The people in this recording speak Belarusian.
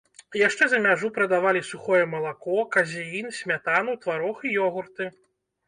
Яшчэ за мяжу прадавалі сухое малако, казеін, смятану, тварог і ёгурты.